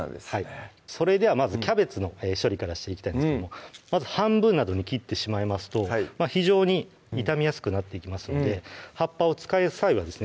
それではまずキャベツの処理からしていきたいんですけどもまず半分などに切ってしまいますと非常に傷みやすくなっていきますので葉っぱを使う際はですね